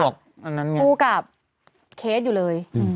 คือกรูกับเคศอยู่เลย